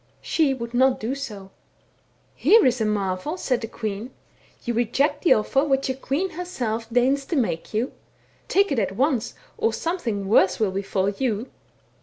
She would not do so. * Here is a marvel !' said the queen ;* you reject the offer which a queen herself deigns to make to you. Take it at once, or something worse will befall you.'